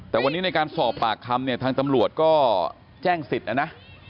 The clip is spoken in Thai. แต่วันนี้ในการสอบปากคำเนี่ยทางตำรวจก็แจ้งสิทธิ์นะนะ